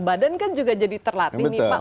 badan kan juga jadi terlatih nih pak